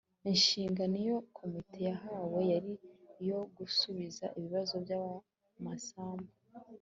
inshingano iyo komite yahawe yari iyo gusubiza ibibazo by'amasambu